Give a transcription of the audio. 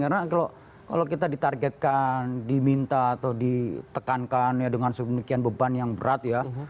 karena kalau kita ditargetkan diminta atau ditekankan dengan sebegian beban yang berat ya